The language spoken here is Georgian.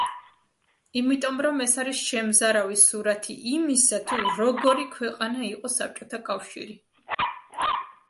იმიტომ რომ ეს არის შემზარავი სურათი იმისა, თუ როგორი ქვეყანა იყო საბჭოთა კავშირი.